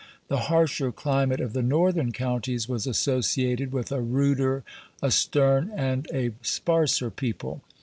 The harsher climate of the northern counties was associated with a ruder, a stern, and a sparser people.